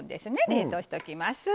冷凍しときます。